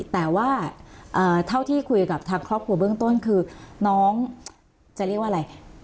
แต่ว่าเท่าที่คุยกับทางครอบครัวเบื้องต้นคือน้องจะเรียกว่าอะไร